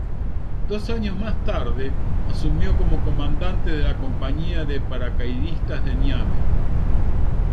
Dos años más tarde, asumió como comandante de la compañía de paracaidistas de Niamey.